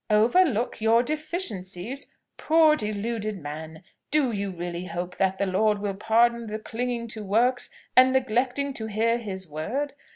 "Overlook your deficiencies? poor deluded man! Do you really hope that the Lord will pardon the clinging to works, and neglecting to hear his word?